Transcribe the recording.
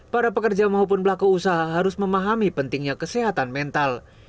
para pekerja maupun pelaku usaha harus memahami pentingnya kesehatan mental